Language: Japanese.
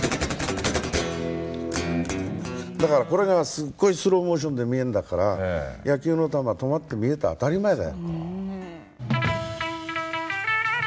だからこれがすっごいスローモーションで見えるんだから野球の球は止まって見えて当たり前だよ。